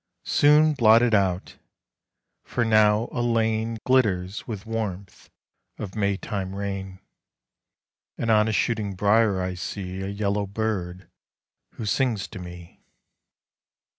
Soon blotted out! for now a lane Glitters with warmth of May time rain, And on a shooting briar I see A yellow bird who sings to me.